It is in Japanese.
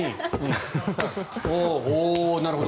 おお、なるほど。